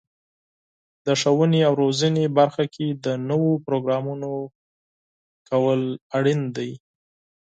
د ښوونې او روزنې برخه کې د نوو پروګرامونو پلي کول اړین دي.